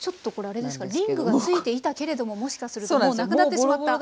リングが付いていたけれどももしかするともうなくなってしまった？